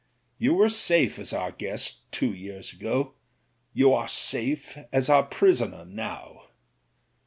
You were safe as our guest two years ago ; you are safe as our prisoner now.